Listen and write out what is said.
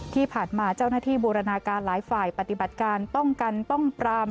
ที่ผ่านมาเจ้าหน้าที่บูรณาการหลายฝ่ายปฏิบัติการป้องกันป้องปราม